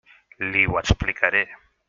Li ho explicaré.